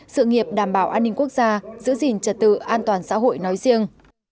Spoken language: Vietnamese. sự nghiệp đảm bảo an ninh quốc gia giữ gìn trật tự an toàn xã hội nói riêng